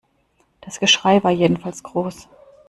Das Geschrei war jedenfalls groß.